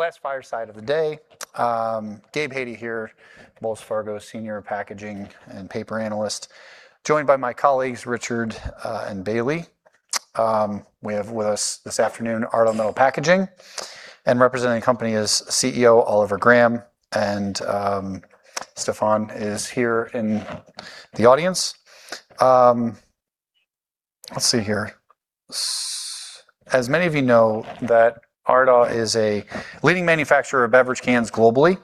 Last fireside of the day. Gabe Hajde here, Wells Fargo Senior Packaging and Paper Analyst, joined by my colleagues, Richard and Bailey. We have with us this afternoon Ardagh Metal Packaging and representing the company is CEO Oliver Graham, and Stefan is here in the audience. Let's see here. As many of you know that Ardagh is a leading manufacturer of beverage cans globally,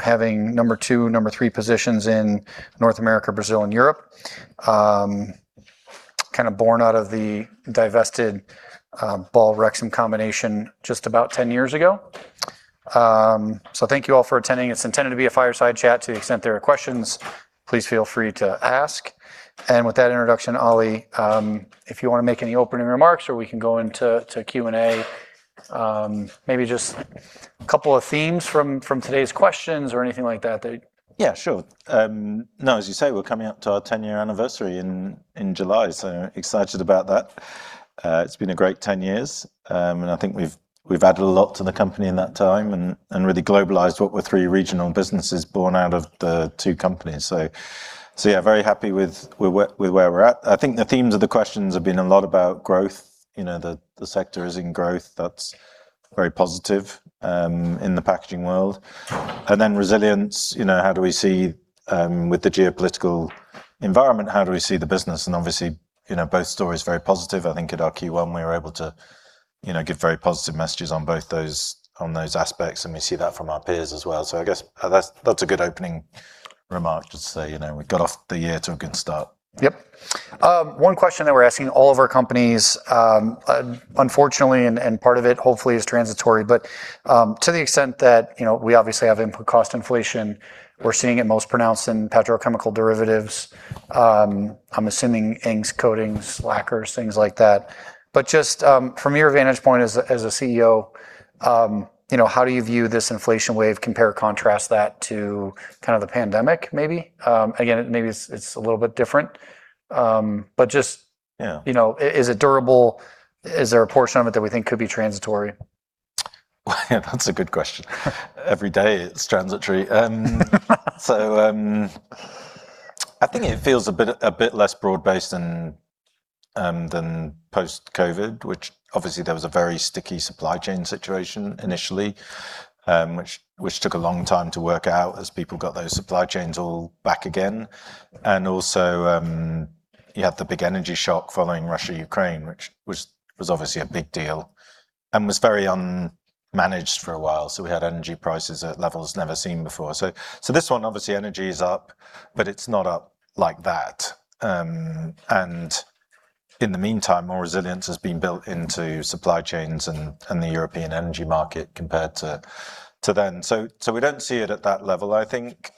having number two and number three positions in North America, Brazil, and Europe. Kind of born out of the divested Ball-Rexam combination just about 10 years ago. Thank you all for attending. It's intended to be a fireside chat to the extent there are questions, please feel free to ask. With that introduction, Olli, if you want to make any opening remarks or we can go into Q&A. Maybe just a couple of themes from today's questions or anything like that. Yeah, sure. No, as you say, we're coming up to our 10-year anniversary in July; excited about that. It's been a great 10 years. I think we've added a lot to the company in that time and really globalized what were three regional businesses born out of the two companies. Yeah, very happy with where we're at. I think the themes of the questions have been a lot about growth. The sector is in growth that's very positive in the packaging world. Resilience, how do we see with the geopolitical environment, how do we see the business? Obviously, both stories are very positive. I think at our Q1 we were able to give very positive messages on both those aspects, and we see that from our peers as well. I guess that's a good opening remark. Just so you know, we got the year off to a good start. Yep. One question that we're asking all of our companies, unfortunately, and part of it is hopefully transitory, but to the extent that we obviously have input cost inflation, we're seeing it most pronounced in petrochemical derivatives. I'm assuming inks, coatings, lacquers, things like that. Just, from your vantage point as a CEO, how do you view this inflation wave compared to, or contrasted with, kind of the pandemic, maybe? Again, maybe it's a little bit different. Yeah is it durable? Is there a portion of it that we think could be transitory? Well, yeah, that's a good question. Every day it's transitory. I think it feels a bit less broad-based than post-COVID, when obviously there was a very sticky supply chain situation initially, which took a long time to work out as people got those supply chains all back again. You had the big energy shock following Russia and Ukraine, which was obviously a big deal and was very unmanaged for a while. We had energy prices at levels never seen before. This one, obviously, energy is up, but it's not up like that. In the meantime, more resilience has been built into supply chains and the European energy market compared to then. We don't see it at that level. I think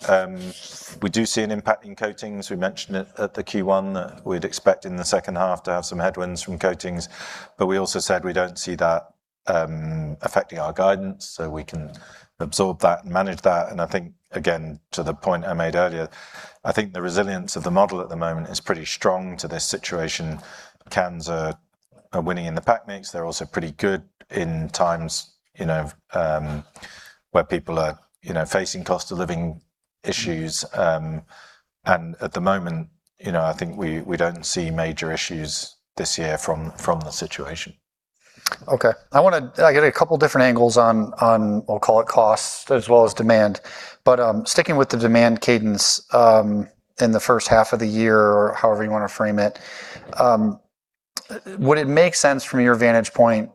we do see an impact in coatings. We mentioned it at Q1 that we'd expect in the second half to have some headwinds from coatings; we also said we don't see that affecting our guidance, we can absorb that and manage that. I think, again, to the point I made earlier, the resilience of the model at the moment is pretty strong to this situation. Cans are winning in the pack mix. They're also pretty good in times when people are facing cost of living issues. At the moment, I think we don't see major issues this year from the situation. Okay. I got a couple different angles on, we'll call them "costs" as well as "demand." Sticking with the demand cadence in the first half of the year, or however you want to frame it, would it make sense from your vantage point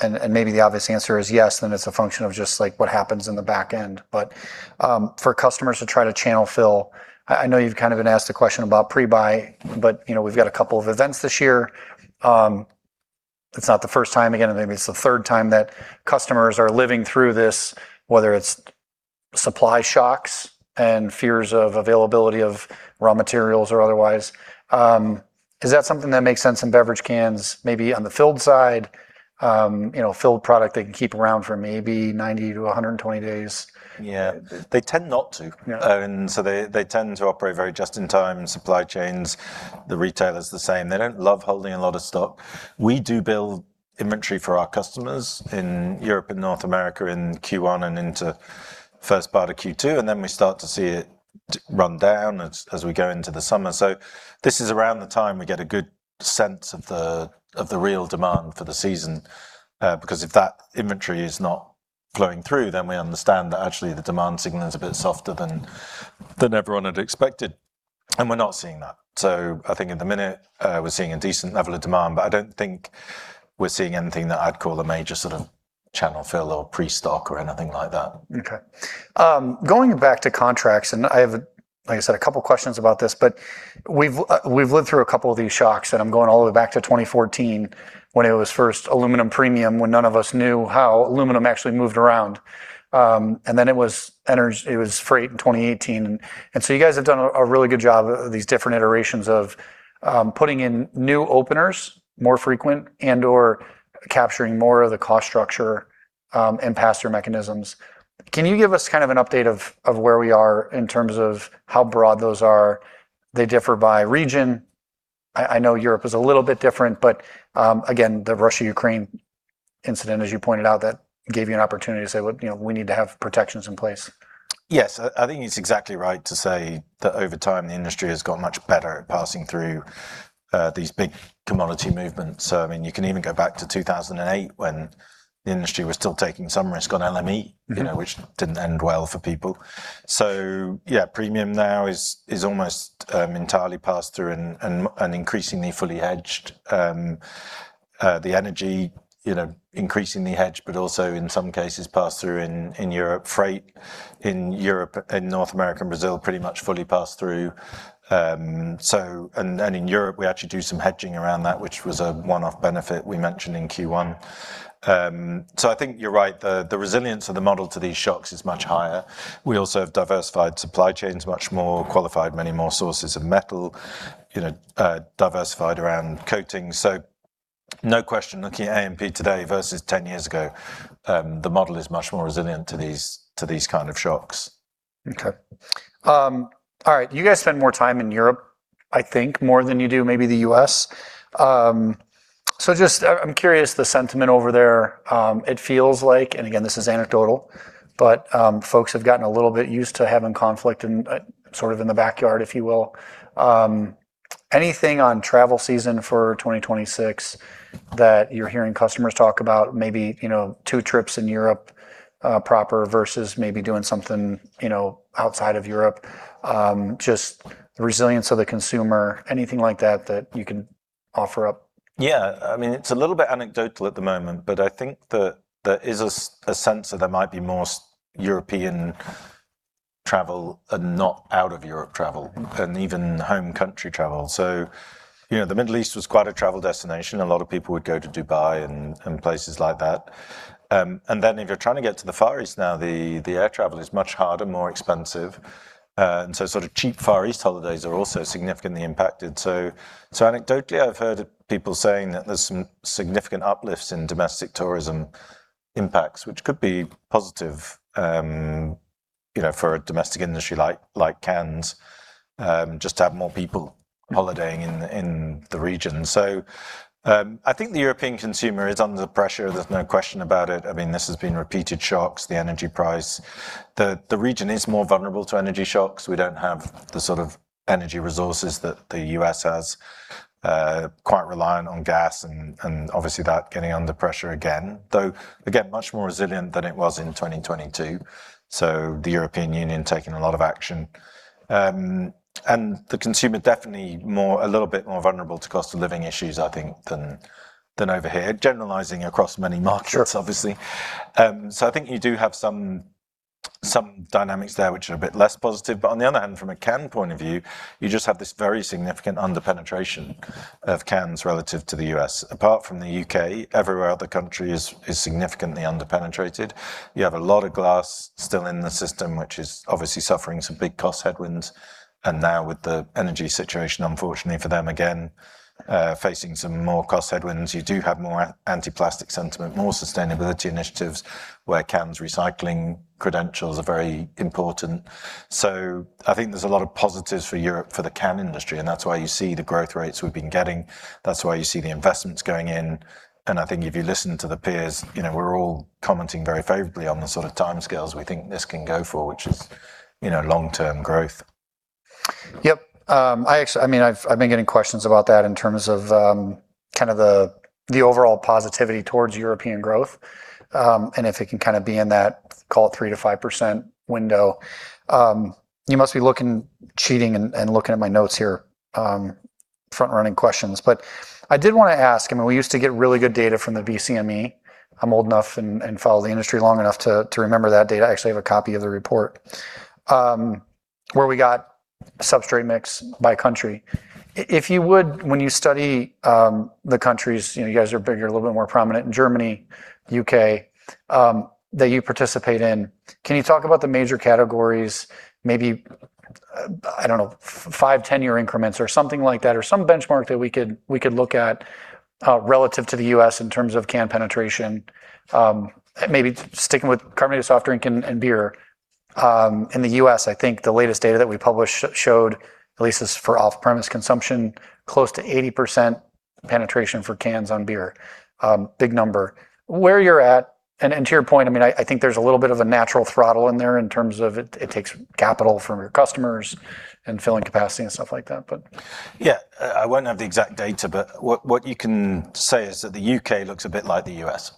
and maybe the obvious answer is yes, it's a function of just like what happens in the back end. For customers to try to channel fill, I know you've kind of been asked a question about pre-buy; we've got a couple of events this year. It's not the first time, again, maybe it's the third time that customers are living through this, whether it's supply shocks and fears of availability of raw materials or otherwise. Is that something that makes sense in beverage cans, maybe on the filled side, a filled product they can keep around for maybe 90-120 days? Yeah. They tend not to own. They tend to operate very just-in-time supply chains. The retailers are the same. They don't love holding a lot of stock. We do build inventory for our customers in Europe and North America in Q1 and into the first part of Q2. We start to see it run down as we go into the summer. This is around the time we get a good sense of the real demand for the season. Because if that inventory is not flowing through, we understand that actually the demand signal is a bit softer than everyone had expected. We're not seeing that. I think at the minute, we're seeing a decent level of demand. I don't think we're seeing anything that I'd call a major sort of channel fill or pre-stock or anything like that. Okay. Going back to contracts. I have, like I said, a couple of questions about this. We've lived through a couple of these shocks. I'm going all the way back to 2014 when it was first aluminum premium when none of us knew how aluminum actually moved around. It was fraught in 2018. You guys have done a really good job of these different iterations of putting in new openers more frequently and/or capturing more of the cost structure and pass-through mechanisms. Can you give us kind of an update of where we are in terms of how broad those are? They differ by region. I know Europe is a little bit different. Again, the Russia-Ukraine incident, as you pointed out, gave you an opportunity to say, "We need to have protections in place. Yes. I think it's exactly right to say that over time, the industry has got much better at passing through these big commodity movements. You can even go back to 2008 when the industry was still taking some risk on LME which didn't end well for people. Yeah, premium now is almost entirely passed through and increasingly fully hedged. The energy, increasingly hedged, also, in some cases, passed through in Europe. Freight in Europe, in North America, and Brazil pretty much fully passed through. In Europe, we actually do some hedging around that, which was a one-off benefit we mentioned in Q1. I think you're right. The resilience of the model to these shocks is much higher. We also have diversified supply chains much more, qualified many more sources of metal, and diversified around coatings. No question, looking at AMP today versus 10 years ago, the model is much more resilient to these kind of shocks. Okay. All right. You guys spend more time in Europe, I think, than you do maybe in the U.S. Just, I'm curious, the sentiment over there, it feels like, and again, this is anecdotal, but folks have gotten a little bit used to having conflict sort of in the backyard, if you will. Anything on travel season for 2026 that you're hearing customers talk about? Maybe two trips in Europe proper versus maybe doing something outside of Europe. Just the resilience of the consumer. Anything like that that you can offer up? Yeah. It's a little bit anecdotal at the moment, but I think there is a sense that there might be more European travel and less out-of-Europe travel and even home-country travel. The Middle East was quite a travel destination. A lot of people would go to Dubai and places like that. Then if you're trying to get to the Far East now, the air travel is much harder and more expensive. Cheap Far East holidays are also significantly impacted. Anecdotally, I've heard people saying that there's some significant uplift in domestic tourism impacts, which could be positive for a domestic industry like cans, just to have more people holidaying in the region. I think the European consumer is under pressure; there's no question about it. This has been repeated shocks, the energy price. The region is more vulnerable to energy shocks. We don't have the sort of energy resources that the U.S. has. Quite reliant on gas, and obviously that is getting under pressure again, though, again, much more resilient than it was in 2022. The European Union is taking a lot of action. The consumer is definitely a little bit more vulnerable to cost of living issues, I think, than over here. Generalizing across many markets, obviously. Sure. I think you do have some dynamics there that are a bit less positive. On the other hand, from a can point of view, you just have this very significant under-penetration of cans relative to the U.S. Apart from the U.K., every other country is significantly under-penetrated. You have a lot of glass still in the system, which is obviously suffering some big cost headwinds. Now with the energy situation, unfortunately for them, again, they are facing some more cost headwinds. You do have more anti-plastic sentiment and more sustainability initiatives where can recycling credentials are very important. I think there are a lot of positives for Europe for the can industry, and that's why you see the growth rates we've been getting. That's why you see the investments going in. I think if you listen to the peers, we're all commenting very favorably on the sort of timescales we think this can go for, which is long-term growth. Yep. I've been getting questions about that in terms of kind of the overall positivity towards European growth. If it can kind of be in that, call it 3%-5% window. You must be cheating and looking at my notes here. Front-running questions. I did want to ask; we used to get really good data from the BCME. I'm old enough and followed the industry long enough to remember that data. I actually have a copy of the report, where we got substrate mix by country. If you would, when you study the countries, you guys are bigger, a little bit more prominent in Germany, U.K., that you participate in. Can you talk about the major categories, maybe, I don't know, five- or 10-year increments or something like that, or some benchmark that we could look at relative to the U.S. in terms of can penetration? Maybe sticking with carbonated soft drinks and beer. In the U.S., I think the latest data that we published showed, at least this is for off-trade consumption, close to 80% penetration for cans of beer. Big number. Where you're at, and to your point, I think there's a little bit of a natural throttle in there in terms of it taking capital from your customers and filling capacity and stuff like that. Yeah. I won't have the exact data; what you can say is that the U.K. looks a bit like the U.S.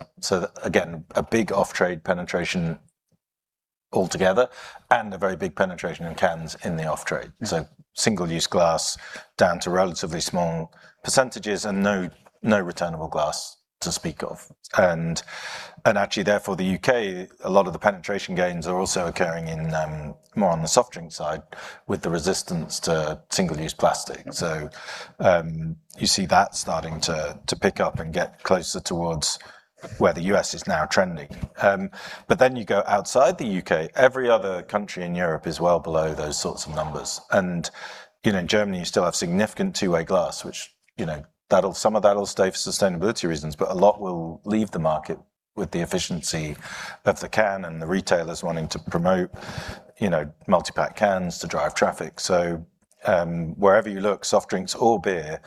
Again, a big off-trade penetration altogether and a very big penetration in cans in the off-trade. Single-use glass down to relatively small percentages and no returnable glass to speak of. Actually, therefore, in the U.K., a lot of the penetration gains are also occurring more on the soft drink side with the resistance to single-use plastic. You see that starting to pick up and get closer to where the U.S. is now trending. You go outside the U.K.; every other country in Europe is well below those sorts of numbers. In Germany, you still have significant two-way glass, some of that will stay for sustainability reasons, but a lot will leave the market. With the efficiency of the can and the retailers wanting to promote multi-pack cans to drive traffic. Wherever you look, soft drinks or beer,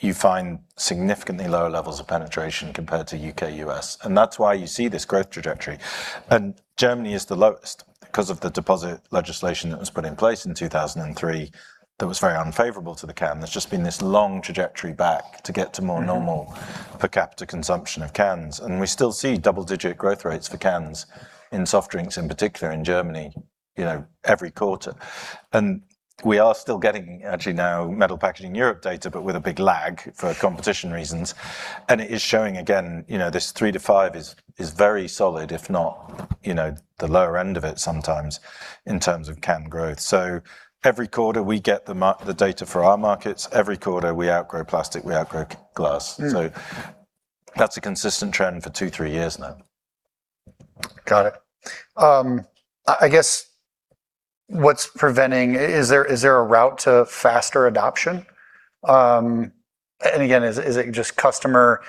you find significantly lower levels of penetration compared to the U.K. and the U.S., and that's why you see this growth trajectory. Germany is the lowest because of the deposit legislation that was put in place in 2003 that was very unfavorable to the can. There's just been this long trajectory back to get to more normal per capita consumption of cans, and we still see double-digit growth rates for cans in soft drinks, in particular in Germany every quarter. We are still getting, actually now, Metal Packaging Europe data, but with a big lag for competition reasons. It is showing again; this 3-5 is very solid, if not the lower end of it sometimes in terms of can growth. Every quarter we get the data for our markets. Every quarter we outgrow plastic, we outgrow glass. That's been a consistent trend for two or three years now. Got it. I guess what's preventing it? Is there a route to faster adoption? Again, is it just customer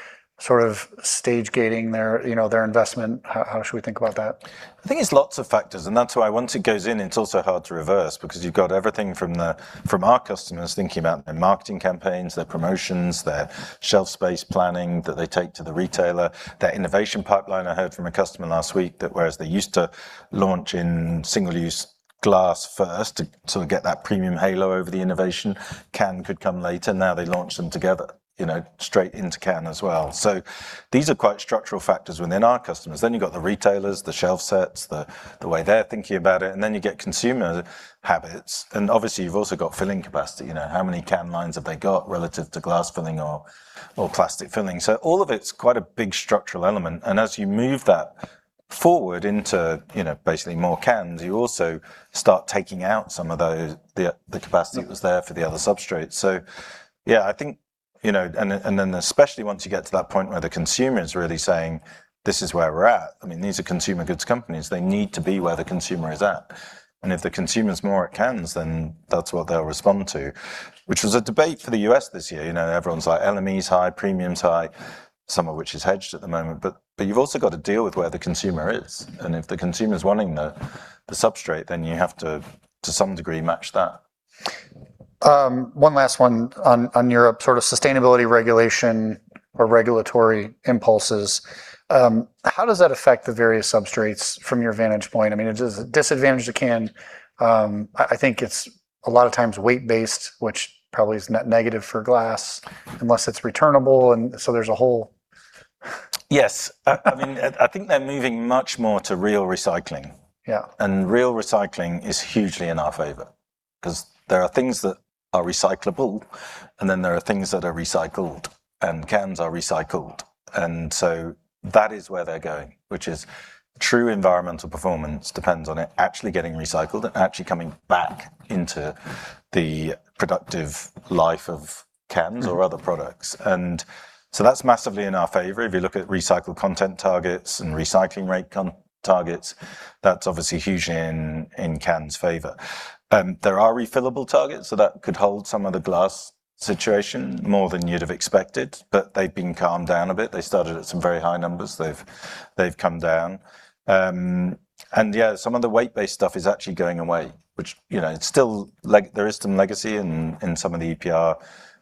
stage gating their investment? How should we think about that? I think it's lots of factors, and that's why once it goes in, it's also hard to reverse because you've got everything from our customers thinking about their marketing campaigns, their promotions, their shelf space planning that they take to the retailer, and their innovation pipeline. I heard from a customer last week that whereas they used to launch in single-use glass first to sort of get that premium halo over the innovation, cans could come later. Now they launch them together straight into cans as well. These are quite structural factors within our customers. You've got the retailers, the shelf sets, the way they're thinking about it, and then you get consumer habits. Obviously, you've also got filling capacity. How many can lines have they got relative to glass filling or plastic filling? All of it's quite a big structural element, and as you move that forward into basically more cans, you also start taking out some of the capacity that was there for the other substrates. Yeah, then especially once you get to that point where the consumer's really saying, This is where we're at. These are consumer goods companies. They need to be where the consumer is at, and if the consumer's more at cans, then that's what they'll respond to. Which was a debate for the U.S. this year. Everyone's like, "LME's high, premium's high," some of which is hedged at the moment, but you've also got to deal with where the consumer is, and if the consumer's wanting the substrate, then you have to some degree match that. One last one on Europe, sort of sustainability regulation or regulatory impulses. How does that affect the various substrates from your vantage point? I mean, a disadvantage to cans, I think, is that a lot of times they're weight-based, which probably is negative for glass unless it's returnable. Yes. I think they're moving much more to real recycling. Yeah. Real recycling is hugely in our favor because there are things that are recyclable, and then there are things that are recycled. Cans are recycled. That is where they're going, and it is true environmental performance depends on it actually getting recycled and actually coming back into the productive life of cans or other products. That's massively in our favor. If you look at recycled content targets and recycling rate targets, that's obviously hugely in cans' favor. There are refillable targets, so that could hold some of the glass situation more than you'd have expected, but they've calmed down a bit. They started at some very high numbers. They've come down. Yeah, some of the weight-based stuff is actually going away, which there is some legacy of in some of the EPR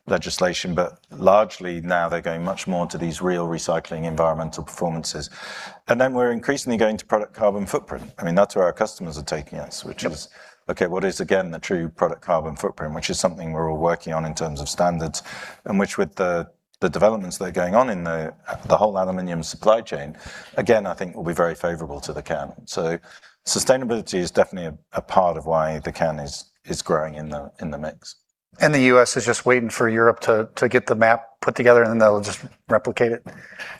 legislation, but largely now they're going much more into these real recycling environmental performances. Then we're increasingly going to product a carbon footprint. That's where our customers are taking us. Yeah What is, again, the true product carbon footprint, which is something we're all working on in terms of standards and which, with the developments that are going on in the whole aluminum supply chain, again, I think will be very favorable to the can? Sustainability is definitely a part of why the can is growing in the mix. The U.S. is just waiting for Europe to get the map put together; then they'll just replicate it.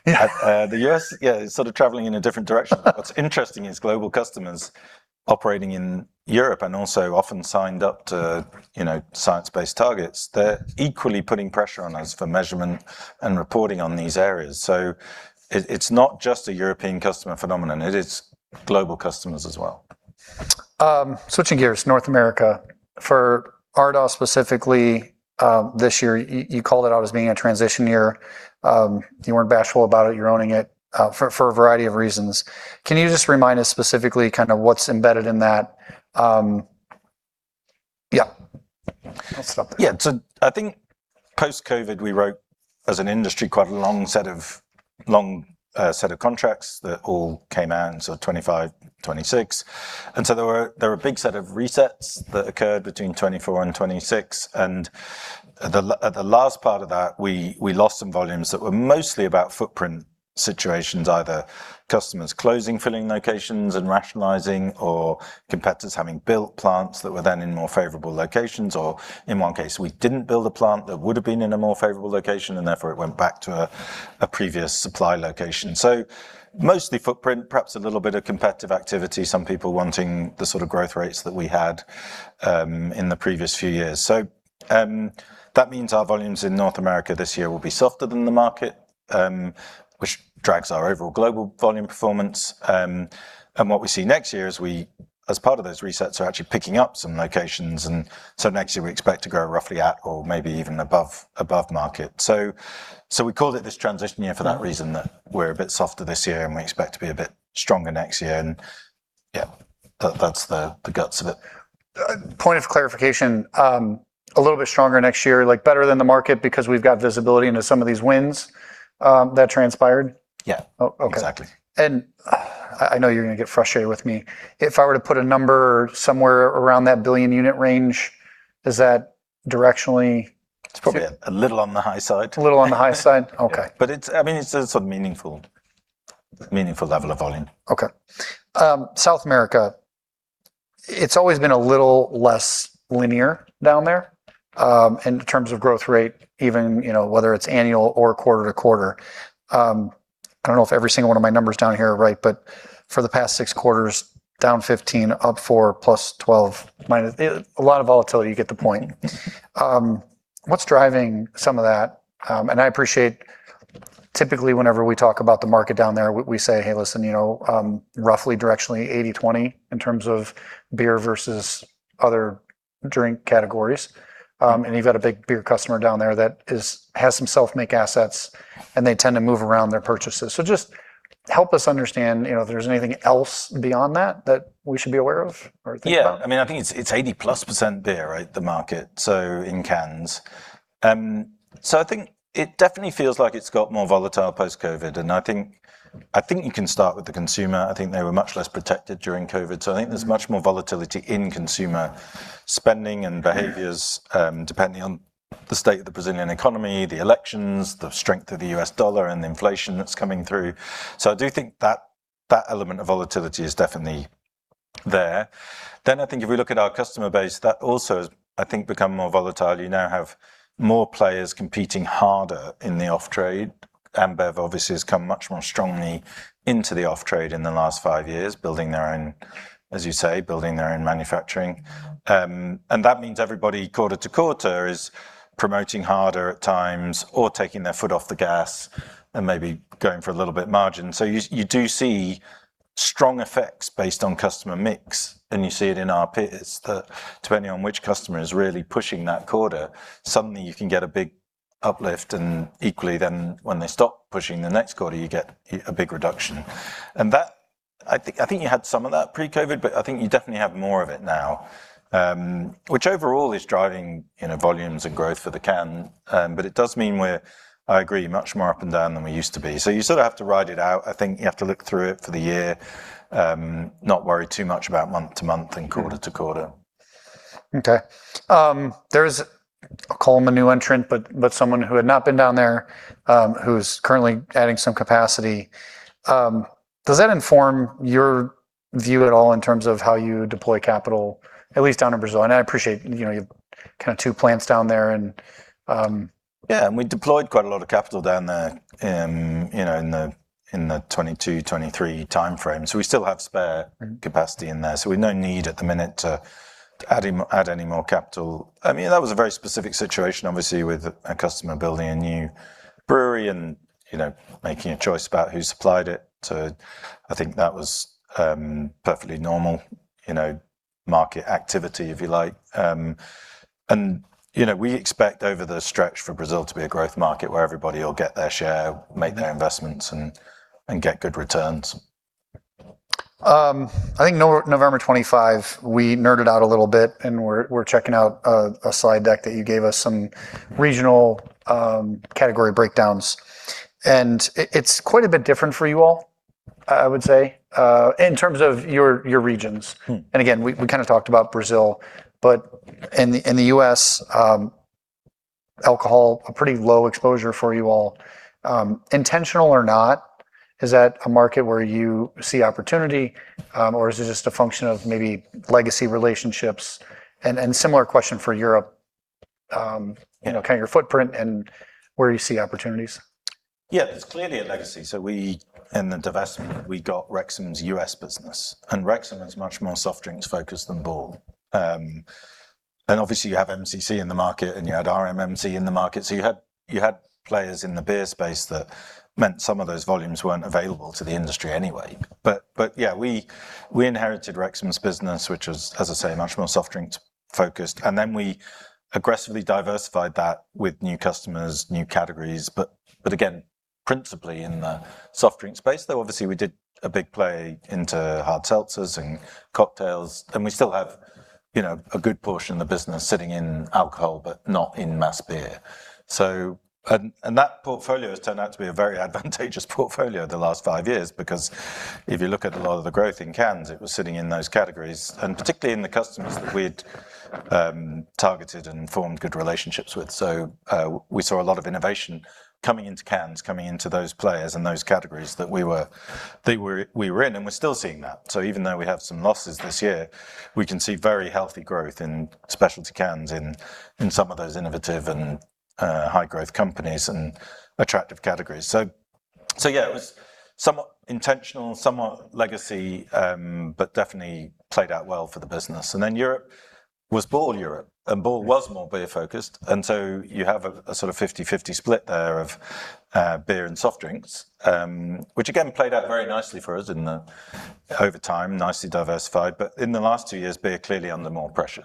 The U.S. is sort of traveling in a different direction. What's interesting is global customers operating in Europe and also often signed up to Science-Based Targets, they're equally putting pressure on us for measurement and reporting on these areas. It's not just a European customer phenomenon. It is global customers, as well. Switching gears, North America, for Ardagh specifically, this year you called it out as being a transition year. You weren't bashful about it. You're owning it for a variety of reasons. Can you just remind us specifically what's embedded in that? I'll stop there. I think post-COVID, we wrote as an industry quite a long set of contracts that all came out in sort of 2025, 2026. There was a big set of resets that occurred between 2024 and 2026, and at the last part of that, we lost some volumes that were mostly about footprint situations, either customers closing filling locations and rationalizing or competitors having built plants that were then in more favorable locations, or in one case, we didn't build a plant that would've been in a more favorable location, and therefore it went back to a previous supply location. Mostly footprint, perhaps a little bit of competitive activity, some people wanting the sort of growth rates that we had in the previous few years. That means our volumes in North America this year will be softer than the market, which drags our overall global volume performance. As part of those resets, we're actually picking up some locations; next year we expect to grow roughly at or maybe even above market. We called it this transition year for that reason: we're a bit softer this year, and we expect to be a bit stronger next year. Yeah, that's the guts of it. Point of clarification. A little bit stronger next year, better than the market because we've got visibility into some of these wins that transpired? Yeah. Oh, okay. Exactly. I know you're going to get frustrated with me. If I were to put a number somewhere around that billion unit range, is that directionally appropriate? Yeah. A little on the high side. A little on the high side? Okay. Yeah. It's a meaningful level of volume. Okay. South America, it's always been a little less linear down there in terms of growth rate, even whether it's annual or quarter-to-quarter. I don't know if every single one of my numbers down here are right; for the past six quarters, down 15, up 4+, 12, and minus. A lot of volatility. You get the point. What's driving some of that? I appreciate that typically whenever we talk about the market down there, we say, Hey, listen. Roughly directionally 80/20 in terms of beer versus other drink categories. You've got a big beer customer down there that has some self-made assets, and they tend to move around their purchases. Just help us understand if there's anything else beyond that that we should be aware of or think about. Yeah. I think it's 80%+ beer in the market, in cans. I think it definitely feels like it's got more volatile post-COVID, and I think you can start with the consumer. I think they were much less protected during COVID, so I think there's much more volatility in consumer spending and behaviors, depending on the state of the Brazilian economy, the elections, the strength of the US dollar, and the inflation that's coming through. I do think that that element of volatility is definitely there. I think if we look at our customer base, that also has, I think, become more volatile. You now have more players competing harder in the off-trade. Ambev obviously has come much more strongly into the off-trade in the last five years, as you say, building their own manufacturing. That means everybody, quarter to quarter, is promoting harder at times or taking their foot off the gas and maybe going for a little bit margin. You do see strong effects based on customer mix, and you see it in our P&Ls: depending on which customer is really pushing that quarter, suddenly you can get a big uplift, and equally, when they stop pushing the next quarter, you get a big reduction. That, I think you had some of that pre-COVID, but I think you definitely have more of it now. Which overall is driving volumes and growth for the can, but it does mean we're, I agree, much more up and down than we used to be. You sort of have to ride it out. I think you have to look through it for the year, not worry too much about month to month and quarter to quarter. Okay. There's a new entrant, I'll call him, but someone who had not been down there, who's currently adding some capacity. Does that inform your view at all in terms of how you deploy capital, at least down in Brazil? I appreciate you've kind of two plants down there. Yeah, we deployed quite a lot of capital down there in the 2022-2023 timeframe. We still have spare capacity in there, so we've no need at the minute to add any more capital. That was a very specific situation, obviously, with a customer building a new brewery and making a choice about who supplied it. I think that was perfectly normal market activity, if you like. We expect the stretch for Brazil to be a growth market where everybody will get their share, make their investments, and get good returns. I think on November 25, we nerded out a little bit, and we're checking out a slide deck that you gave us some regional category breakdowns, and it's quite a bit different for you all, I would say, in terms of your regions. Again, we kind of talked about Brazil, but in the U.S., alcohol is a pretty low exposure for you all. Intentional or not, is that a market where you see opportunity, or is it just a function of maybe legacy relationships? Similar question for Europe, kind of your footprint and where you see opportunities. Yeah. It's clearly a legacy. We, in the divestment, we got Rexam's U.S. business, and Rexam is much more soft drink focused than Ball. Obviously you have MCC in the market, and you had RMMC in the market. You had players in the beer space that meant some of those volumes weren't available to the industry anyway. Yeah, we inherited Rexam's business, which was, as I say, much more soft drink focused, and then we aggressively diversified that with new customers and new categories. Again, principally in the soft drink space, though obviously we did a big play into hard seltzers and cocktails, and we still have a good portion of the business sitting in alcohol, but not in mass-produced beer. That portfolio has turned out to be a very advantageous portfolio the last five years, because if you look at a lot of the growth in cans, it was sitting in those categories, and particularly in the customers that we'd targeted and formed good relationships with. We saw a lot of innovation coming into cans, coming into those players and those categories that we were in, and we're still seeing that. Even though we have some losses this year, we can see very healthy growth in specialty cans in some of those innovative and high-growth companies and attractive categories. Yeah, it was somewhat intentional, somewhat legacy, but definitely played out well for the business. Europe was all Europe. Ball was more beer-focused. You have a sort of 50/50 split there of beer and soft drinks, which, again, played out very nicely for us over time, nicely diversified, but in the last two years, beer has clearly been under more pressure.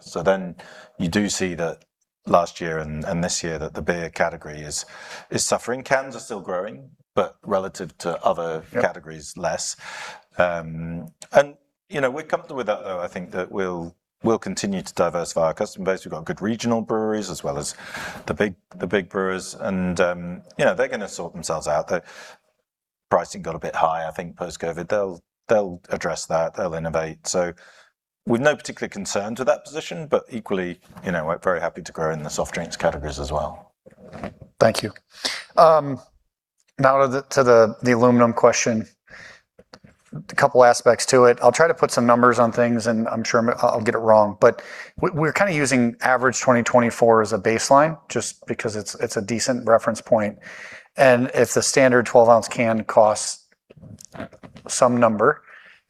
You do see that last year and this year the beer category is suffering. Cans are still growing, but relative to other categories— Yep less. We're comfortable with that, though. I think that we'll continue to diversify our customer base. We've got good regional breweries as well as the big brewers, and they're going to sort themselves out. The pricing got a bit high, I think, post-COVID. They'll address that. They'll innovate. We have no particular concern with that position, but equally, we're very happy to grow in the soft drinks categories as well. Thank you. Now to the aluminum question. A couple aspects to it. I'll try to put some numbers on things, and I'm sure I'll get it wrong, but we're kind of using average 2024 as a baseline just because it's a decent reference point. If the standard 12-oz can costs some number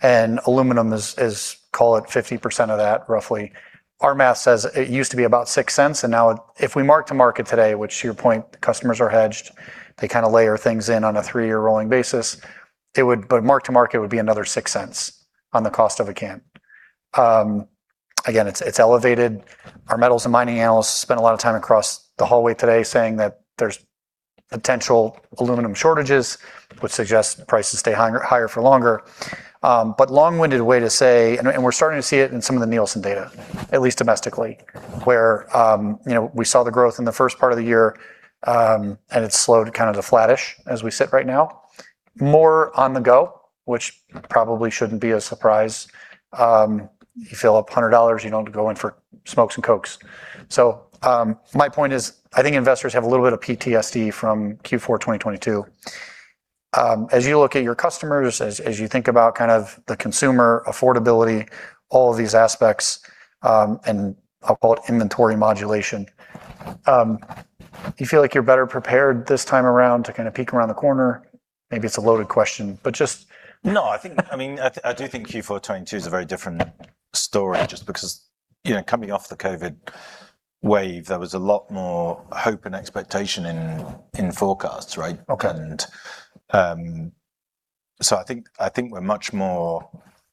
and aluminum is, call it 50% of that roughly, our math says it used to be about $0.06 and now if we mark to market today, which, to your point, customers are hedged. They kind of layer things in on a three-year rolling basis. Mark to market would be another $0.06 on the cost of a can. Again, it's elevated. Our metals and mining analysts spent a lot of time across the hallway today saying that there's potential aluminum shortage, which suggests prices stay higher for longer. Long-winded way to say it is we're starting to see it in some of the NIQ data, at least domestically, where we saw the growth in the first part of the year; it's slowed kind of to flatish as we sit right now. More on the go, which probably shouldn't be a surprise. You fill up $100; you don't go in for smokes and Cokes. My point is, I think investors have a little bit of PTSD from Q4 2022. As you look at your customers, as you think about the consumer affordability, and all of these aspects, and I'll call it "inventory modulation," do you feel like you're better prepared this time around to kind of peek around the corner? Maybe it's a loaded question. No, I do think Q4 2022's a very different story just because, coming off the COVID wave, there was a lot more hope and expectation in forecasts, right? Okay. I think we're much more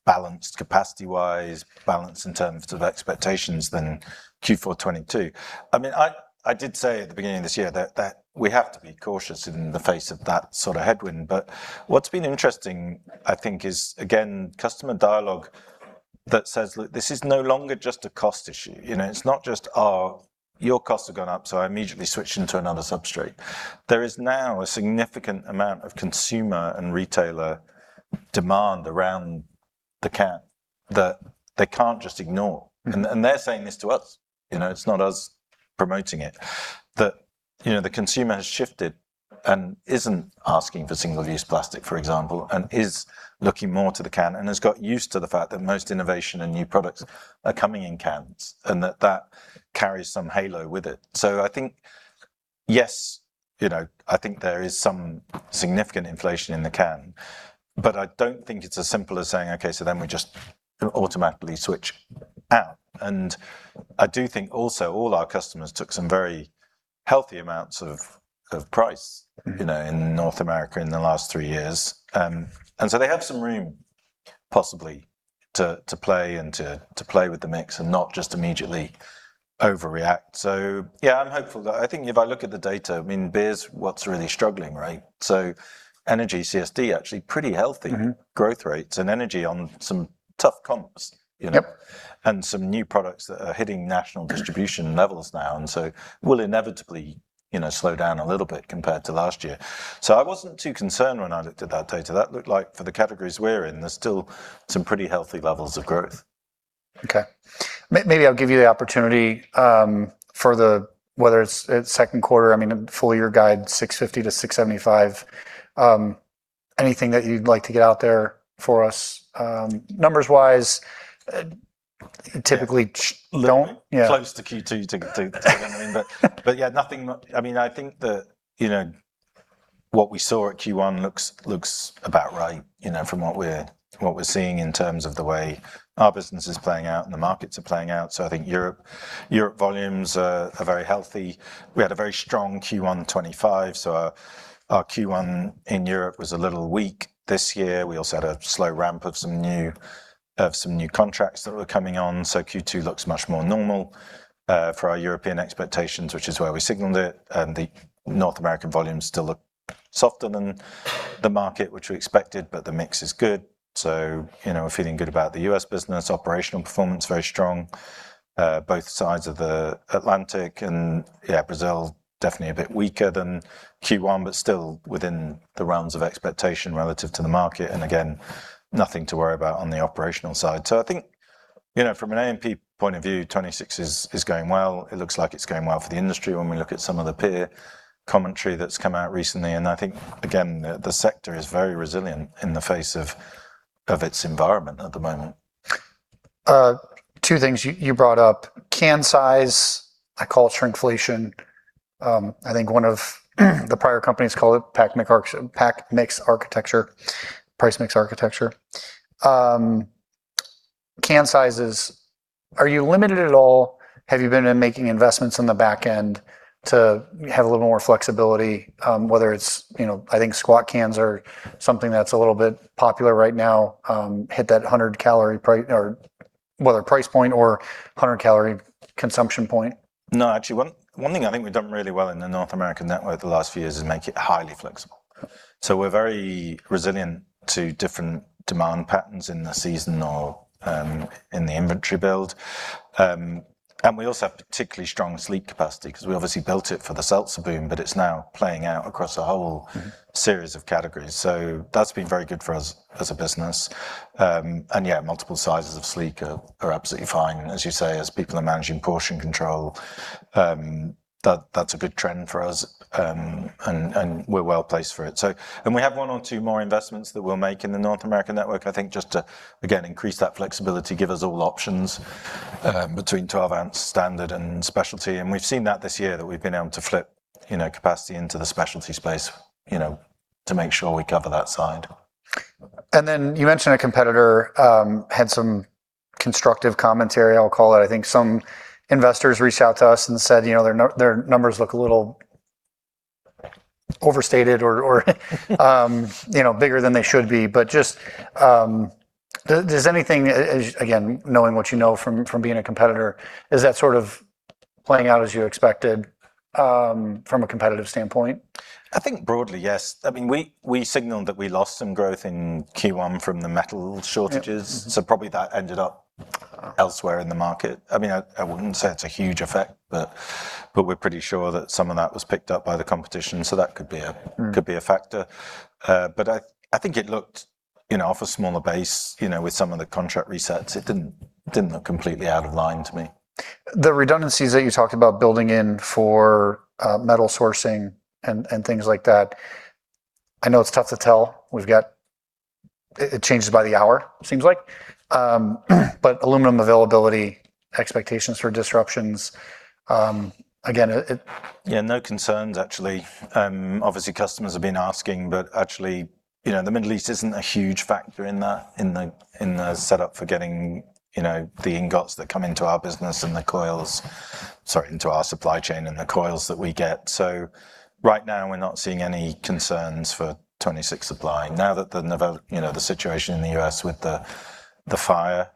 balanced capacity-wise and balanced in terms of expectations than Q4 2022. I did say at the beginning of this year that we have to be cautious in the face of that sort of headwind, what's been interesting, I think, is, again, customer dialogue that says, Look, this is no longer just a cost issue. It's not just, Your costs have gone up, so I immediately switch into another substrate." There is now a significant amount of consumer and retailer demand around the can that they can't just ignore. They're saying this to us. It's not us promoting it. That the consumer has shifted and isn't asking for single-use plastic, for example, and is looking more to the can and has gotten used to the fact that most innovation and new products are coming in cans, and that carries some halo with it. I think, yes, I think there is some significant inflation in the can, but I don't think it's as simple as saying, Okay, so then we just automatically switch out. I do think also all our customers took some very healthy amounts of price. In North America in the last three years. They have some room possibly to play and to play with the mix and not just immediately overreact. Yeah, I'm hopeful that I think if I look at the data, beer is what's really struggling, right? Energy, CSD, actually pretty healthy. Growth rates and energy on some tough comps. Yep. Some new products that are hitting national distribution levels now will so inevitably slow down a little bit compared to last year. I wasn't too concerned when I looked at that data. That looked like for the categories we're in, there are still some pretty healthy levels of growth. Okay. Maybe I'll give you the opportunity for whether it's the second quarter, the full year guide, or $650-$675—anything that you'd like to get out there for us numbers-wise? Typically don't- Close to Q2. Yeah, I think that what we saw at Q1 looks about right, from what we're seeing in terms of the way our business is playing out and the markets are playing out. I think Europe's volumes are very healthy. We had a very strong Q1 2025, so our Q1 in Europe was a little weak this year. We also had a slow ramp of some new contracts that were coming on. Q2 looks much more normal for our European expectations, which is where we signaled it. The North American volumes still look softer than the market, which we expected, but the mix is good. We're feeling good about the U.S. business. Operational performance is very strong on both sides of the Atlantic. Yeah, Brazil is definitely a bit weaker than Q1, but still within the realms of expectation relative to the market. Again, nothing to worry about on the operational side. I think from an AMP point of view, 2026 is going well. It looks like it's going well for the industry when we look at some of the peer commentary that's come out recently. I think, again, the sector is very resilient in the face of its environment at the moment. Two things you brought up. Can size, I call it "shrinkflation." I think one of the prior companies call it pack mix architecture, price mix architecture. Can sizes, are you limited at all? Have you been making investments in the back end to have a little more flexibility? I think squat cans are something that's a little bit popular right now. Hit that 100 calorie price point or 100 calorie consumption point. No, actually, one thing I think we've done really well in the North American network the last few years is make it highly flexible. Okay. We're very resilient to different demand patterns in the season or in the inventory build. We also have particularly strong Sleek capacity because we obviously built it for the seltzer boom, but it's now playing out across a whole series of categories. That's been very good for us as a business. Yeah, multiple sizes of Sleek are absolutely fine. As you say, as people are managing portion control, that's a good trend for us, and we're well-placed for it. We have one or two more investments that we'll make in the North American network, I think, just to, again, increase that flexibility, give us all options between 12 ounce standard and Specialty. We've seen that this year that we've been able to flip capacity into the Specialty space, to make sure we cover that side. Then you mentioned a competitor and had some constructive commentary, I'll call it. I think some investors reached out to us and said, Their numbers look a little overstated or bigger than they should be. Just, does anything, again, knowing what you know from being a competitor, play out as you expected from a competitive standpoint? I think broadly, yes. We signaled that we lost some growth in Q1 from the metal shortages. Yeah. Probably that ended up elsewhere in the market. I wouldn't say it's a huge effect, but we're pretty sure that some of that was picked up by the competition, so that could be a factor. I think it looked off a smaller base with some of the contract resets. It didn't look completely out of line to me. The redundancies that you talked about building in for metal sourcing and things like that, I know it's tough to tell. It changes by the hour it seems like. Aluminum availability, expectations for disruptions. Yeah, no concerns, actually. Obviously customers have been asking, but actually, the Middle East isn't a huge factor in the setup for getting the ingots that come into our business and the coils, sorry, into our supply chain and the coils that we get. Right now we're not seeing any concerns for 2026 supply. Now that the situation in the U.S. with the fires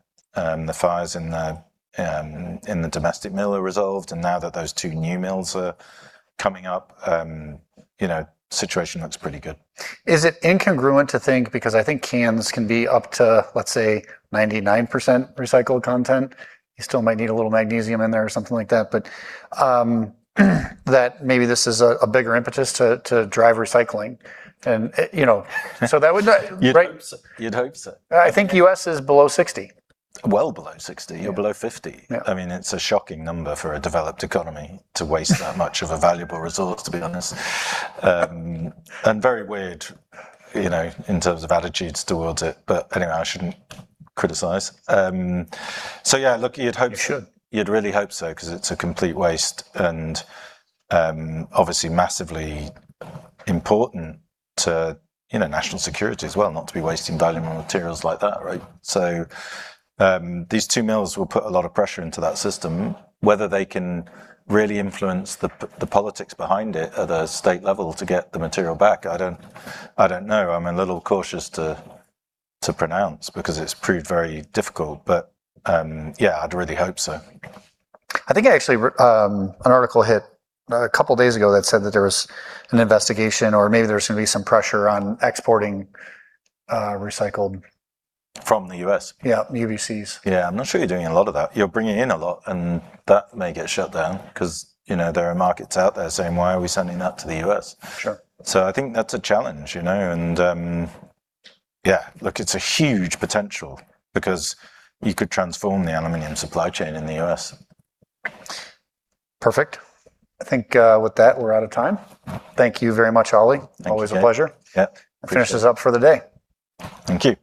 in the domestic mill is resolved and now that those two new mills are coming up, the situation looks pretty good. Is it incongruent to think, because I think cans can be up to, let's say, 99% recycled content, you still might need a little magnesium in there or something like that, but maybe this is a bigger impetus to drive recycling and that would, right? You'd hope so. I think the U.S. is below 60. Well below 60. Yeah. below 50. Yeah. It's a shocking number for a developed economy to waste that much of a valuable resource, to be honest. Very weird, in terms of attitudes towards it. Anyway, I shouldn't criticize. Yeah, look, you'd hope- You should You'd really hope so because it's a complete waste and obviously massively important to national security as well, not to be wasting valuable materials like that, right? These two mills will put a lot of pressure into that system, whether they can really influence the politics behind it at a state level to get the material back, I don't know. I'm a little cautious to pronounce it because it's proved very difficult. Yeah, I'd really hope so. I think actually, an article hit a couple of days ago that said that there was an investigation or maybe there's going to be some pressure on exporting recycled From the U.S.? Yeah, UBCs. Yeah, I'm not sure you're doing a lot of that. You're bringing in a lot and that may get shut down because there are markets out there saying, "Why are we sending that to the U.S.? Sure. I think that's a challenge, and, yeah, look, it's a huge potential because you could transform the aluminum supply chain in the U.S. Perfect. I think with that, we're out of time. Thank you very much, Olli. Thanks, Gabe. Always a pleasure. Yep. Finish this up for the day. Thank you.